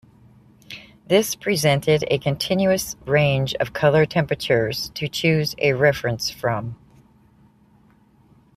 This presented a continuous range of color temperatures to choose a reference from.